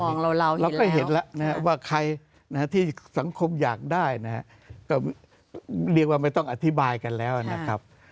เห็นแล้วเล็กว่าที่สังคมอยากได้เรียกว่าไม่ต้องอธิบายกันแล้วนะครับ